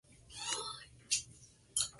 Luisa Ana era dueña de varias propiedades.